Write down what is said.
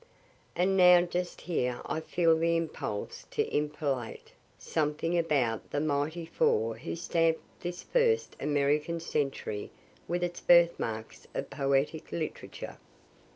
And now just here I feel the impulse to interpolate something about the mighty four who stamp this first American century with its birthmarks of poetic literature.